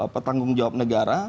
petanggung jawab negara